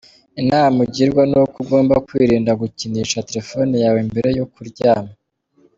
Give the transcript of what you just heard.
Inama ugirwa ni uko ugomba kwirinda gukinisha telefone yawe mbere yo kuryama.